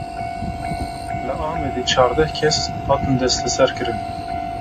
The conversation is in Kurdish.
Li Amedê çardeh kes hatin desteserkirin.